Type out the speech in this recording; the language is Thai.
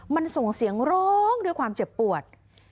มันส่งเสียงร้องด้วยความเจ็บปวด